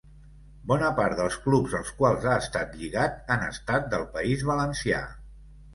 Bona part dels clubs als quals ha estat lligat han estat del País Valencià.